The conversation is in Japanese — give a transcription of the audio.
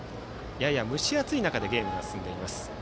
やや蒸し暑い中でゲームが進んでいます。